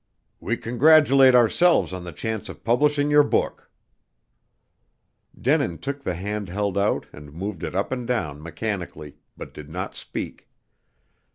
"We congratulate ourselves on the chance of publishing your book." Denin took the hand held out and moved it up and down mechanically, but did not speak.